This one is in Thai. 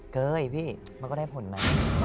เกยพี่มันก็ได้ผลมา